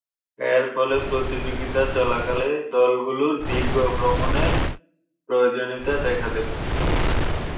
এর ফলে প্রতিযোগিতা চলাকালে দলগুলোর দীর্ঘ ভ্রমণের প্রয়োজনীয়তা দেখা দেবে।